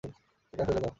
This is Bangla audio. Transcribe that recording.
এটা ফেলে দাও।